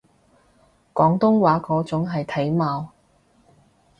廣東話嗰種係體貌